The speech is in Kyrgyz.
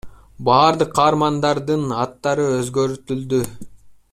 Бардык каармандардын аттары өзгөртүлдү.